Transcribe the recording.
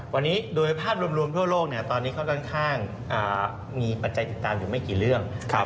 วันนี้โดยภาพรวมทั่วโลกตอนนี้เขาค่อนข้างมีปัจจัยติดตามอยู่ไม่กี่เรื่อง